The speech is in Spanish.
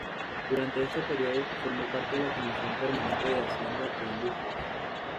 Durante este período, formó parte de la comisión permanente de Hacienda e Industrias.